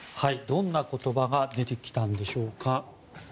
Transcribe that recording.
どんな言葉が出てきたんでしょうか。